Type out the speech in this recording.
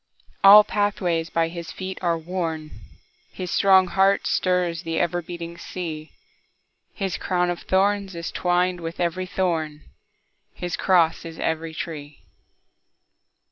All pathways by his feet are worn, His strong heart stirs the ever beating sea, His crown of thorns is twined with every thorn, His cross is every tree.